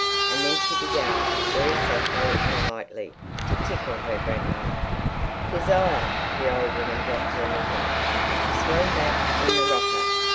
And then she began, very softly and lightly, to tickle her grandma. "Kezia!" The old woman dropped her knitting. She swung back in the rocker.